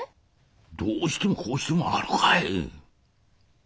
どうしてもこうしてもあるかい！